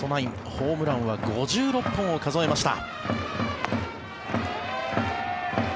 ホームランは５６本を数えました。